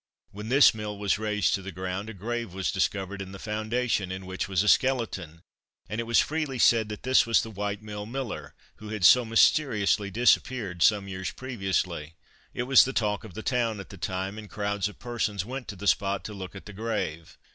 When this mill was razed to the ground, a grave was discovered in the foundation, in which was a skeleton, and it was freely said that this was the White Mill miller, who had so mysteriously disappeared some years previously. It was the talk of the town at the time, and crowds of persons went to the spot to look at the grave.